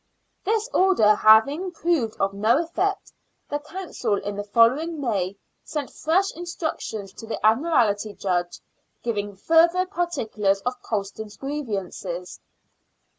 This order having proved of no effect, the Council, in the following May, sent fresh instructions to the Ad miralty Judge, giving further particulars of Colston's grievances.